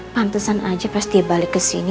pantesan aja pas dia balik kesini